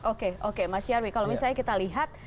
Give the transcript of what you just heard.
oke oke mas nyarwi kalau misalnya kita lihat